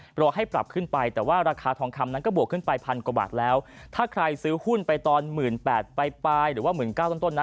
ลองให้ปรับขึ้นไปแต่ว่าราคาทอมคำลายังก็บวกสิ้นไปพันกว่าบาทแล้วถ้าใครซื้อหุ้นไปตอน๑๘๐๐๐ไปปลายหรือว่า๑๙๐๐๐ต้น